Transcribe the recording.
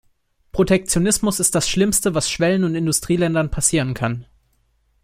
Protektionismus ist das Schlimmste, was Schwellen- und Industrieländern passieren kann.